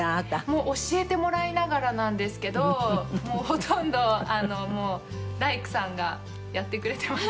もう教えてもらいながらなんですけどもうほとんど大工さんがやってくれてます。